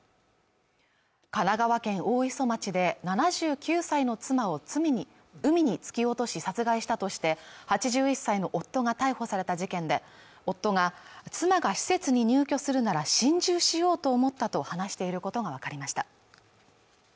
神奈川県大磯町で７９歳の妻を海に突き落とし殺害したとして８１歳の夫が逮捕された事件で夫が妻が施設に入居するなら心中しようと思ったと話していることが分かりました